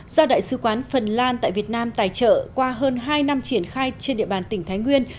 do đại sứ quán phần lan tại việt nam tài trợ qua hơn hai năm triển khai trên địa bàn tỉnh thái nguyên